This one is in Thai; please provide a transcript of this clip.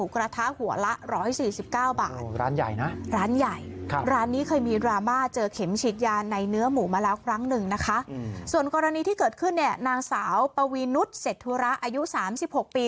ส่วนกรณีที่เกิดขึ้นเนี่ยนางสาวปวีนุษย์เสร็จธุระอายุ๓๖ปี